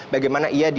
bagaimana ia diduga